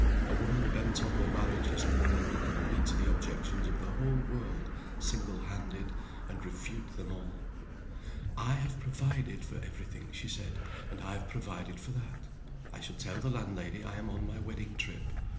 A woman bent on her marriage is a woman who can meet the objections of the whole world, single handed, and refute them all. "I have provided for every thing," she said, "and I have provided for that. I shall tell the landlady I am on my wedding trip.